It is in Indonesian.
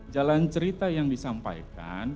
jalan cerita yang disampaikan